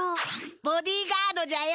ボディーガードじゃよ。